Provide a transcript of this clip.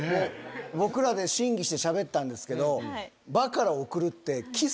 僕らで審議してしゃべったんですけど。